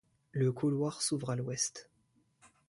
Le couloir s'ouvre à l'ouest.